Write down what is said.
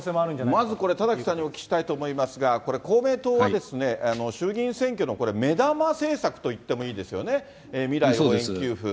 まずこれ、田崎さんにお聞きしたいと思いますが、公明党は衆議院選挙の目玉政策といってもいいですよね、未来応援給付。